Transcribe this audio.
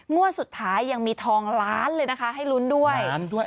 โงยสุดท้ายยังมีทองล้านเลยนะคะให้ลุ้นด้วย